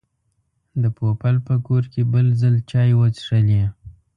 د پوپل په کور کې بل ځل چای وڅښلې.